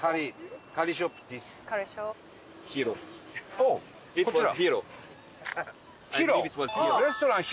おっこちら。